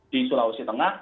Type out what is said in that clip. di sulawesi tengah